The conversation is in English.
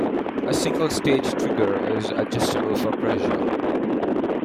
The single stage trigger is adjustable for pressure.